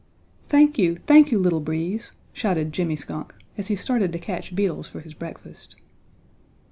"Thank you, thank you, Little Breeze," shouted Jimmy Skunk as he started to catch beetles for his breakfast.